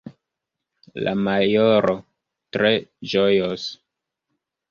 La majoro tre ĝojos.